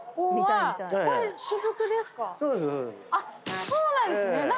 「そうなんですね。